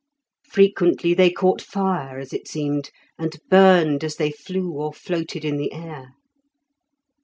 Frequently they caught fire, as it seemed, and burned as they flew or floated in the air.